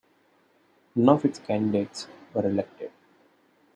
None of its candidates were elected.